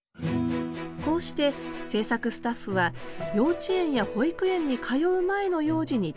こうして制作スタッフは幼稚園や保育園に通う前の幼児に注目。